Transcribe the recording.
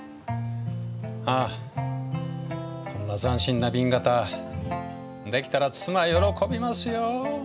あこんな斬新な紅型できたら妻喜びますよ。